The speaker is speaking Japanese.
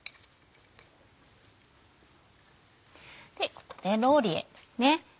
ここでローリエですね。